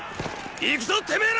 行くぞてめェら！